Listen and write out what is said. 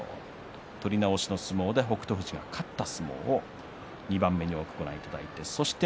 取り直しの相撲で北勝富士が勝った相撲を２番目に多くご覧いただきました。